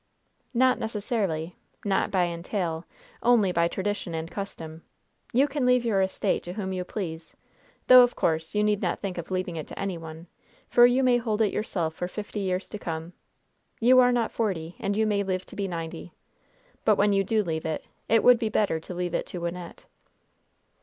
"Not necessarily; not by entail, only by tradition and custom. You can leave your estate to whom you please; though, of course, you need not think of leaving it to any one; for you may hold it yourself for fifty years to come. You are not forty, and you may live to be ninety. But when you do leave it, it would be better to leave it to Wynnette."